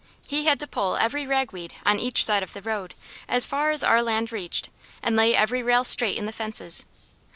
He had to pull every ragweed on each side of the road as far as our land reached, and lay every rail straight in the fences.